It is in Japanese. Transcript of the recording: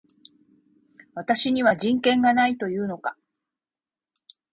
私には人権がないと言うのか